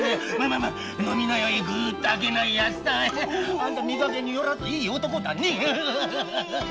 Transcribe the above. あんたみかけによらずいい男だね。